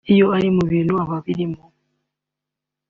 iyo ari mu bintu aba abirimo